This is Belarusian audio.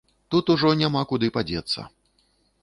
Тут ужо няма куды падзецца.